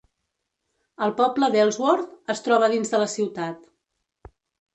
El poble d'Ellsworth es troba dins de la ciutat.